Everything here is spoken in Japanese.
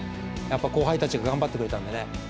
後輩たちが頑張ってくれたんでね。